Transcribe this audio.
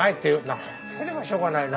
なければしょうがないなと。